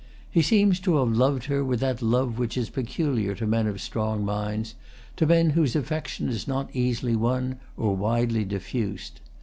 He seems to have loved her with that love which is peculiar to men of strong minds, to men whose affection is not easily won or widely diffused.